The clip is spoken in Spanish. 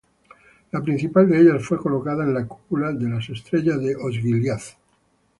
La principal de ellas fue colocada en la Cúpula de las Estrellas de Osgiliath.